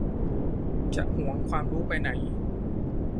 จะหวงความรู้ไปไหน ?